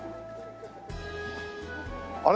あれ？